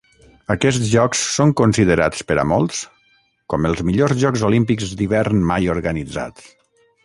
Aquests jocs són considerats per a molts com els millors jocs olímpics d'hivern mai organitzats.